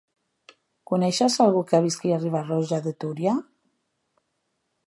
Coneixes algú que visqui a Riba-roja de Túria?